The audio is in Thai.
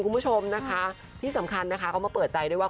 คุณผู้ชมนะคะที่สำคัญนะคะเขามาเปิดใจด้วยว่า